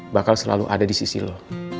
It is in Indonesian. bakal selalu ada di sisi lo